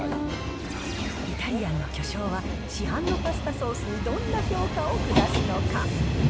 イタリアンの巨匠は、市販のパスタソースにどんな評価を下すのか。